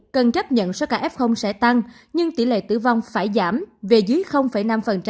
cần chấp nhận số ca f sẽ tăng nhưng tỷ lệ tử vong phải giảm về dưới năm